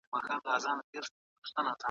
سجده یوازي خدای ته روا ده.